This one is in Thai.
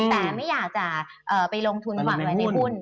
แต่ไม่อยากจะไปลงทุนหวังไว้ในหุ้น